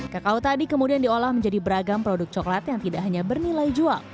kakao tadi kemudian diolah menjadi beragam produk coklat yang tidak hanya bernilai jual